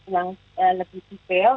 yang lebih sipil